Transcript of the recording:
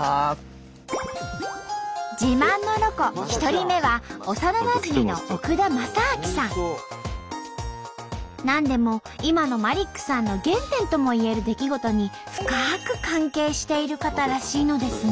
自慢のロコ１人目は幼なじみのなんでも今のマリックさんの原点ともいえる出来事に深く関係している方らしいのですが。